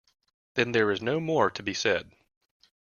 Then there is no more to be said.